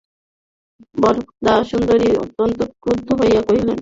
বরদাসুন্দরী অত্যন্ত ক্রুদ্ধ হইয়া কহিলেন, তোমাদের এ-সব ষড়যন্ত্র, এ-সব প্রবঞ্চনার মানে কী?